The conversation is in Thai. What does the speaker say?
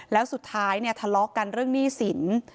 แล้วสุดท้ายเนี่ยทะเลาะกันเรื่องหนี้สิน